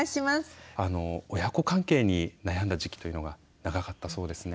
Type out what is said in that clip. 親子関係に悩んだ時期というのが長かったそうですね。